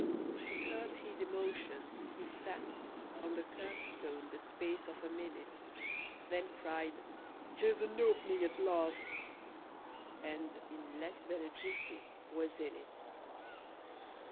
To curb his emotions, he sat On the curbstone the space of a minute, Then cried, "Here's an opening at last!" And in less than a jiffy was in it!